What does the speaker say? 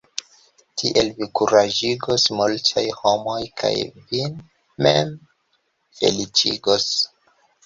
Tiel vi kuraĝigos multajn homojn kaj vin mem feliĉigos.